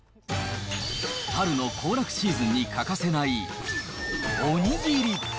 春の行楽シーズンに欠かせないおにぎり。